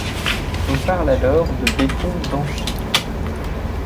On parle alors de béton banché.